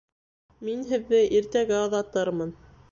Мин һеҙҙе иртәгә оҙатырмын